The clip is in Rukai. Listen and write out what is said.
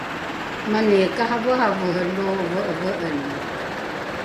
mani karaveravere lo ve’eve’eni